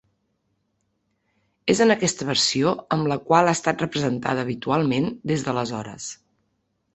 És en aquesta versió amb la qual ha estat representada habitualment des d'aleshores.